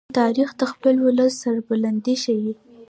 تاریخ د خپل ولس د سربلندۍ ښيي.